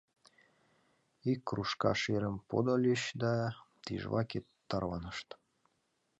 Ик кружка шӧрым подыльыч да тӱжваке тарванышт.